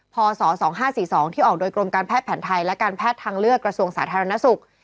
พศ๒๕๔๒ที่ออกโดยกรมการแพทย์แผนไทยและการแพทย์ทางเลือกกระทรวงสาธารณสุข